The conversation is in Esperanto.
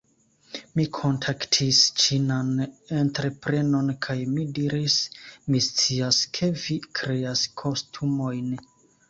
- mi kontaktis ĉinan entreprenon kaj mi diris, "Mi scias, ke vi kreas kostumojn.